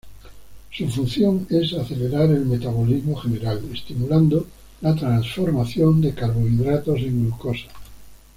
Su función es acelerar el metabolismo general, estimulando Ia transformación de carbohidratos en glucosa.